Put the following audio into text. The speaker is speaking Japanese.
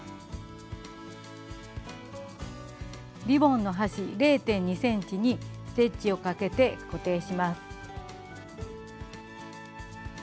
リボンの端０．２ｃｍにステッチをかけて固定します。